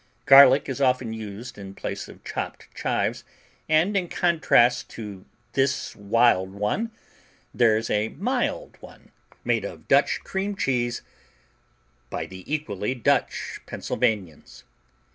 Garlic is often used in place of chopped chives, and in contrast to this wild one there's a mild one made of Dutch cream cheese by the equally Dutch Pennsylvanians.